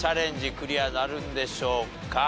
クリアなるんでしょうか？